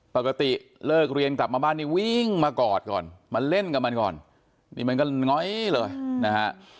ปกติเลิกเรียนกลับมาบ้านนี่วิ่งมากอดก่อนมาเล่นกับมันก่อนนี่มันก็ง้อยเลยนะฮะ